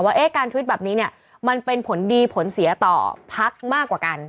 ว่าการทวิตแบบนี้เนี่ยมันเป็นผลดีผลเสียต่อพักมากกว่ากัน